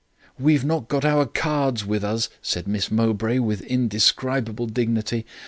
"'We've not our cards with us,' said Miss Mowbray, with indescribable dignity.